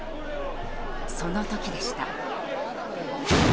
その時でした。